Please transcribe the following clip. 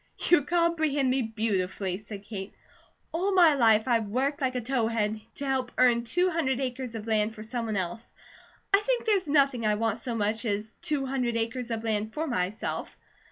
"You comprehend me beautifully," said Kate. "All my life I've worked like a towhead to help earn two hundred acres of land for someone else. I think there's nothing I want so much as two hundred acres of land for myself.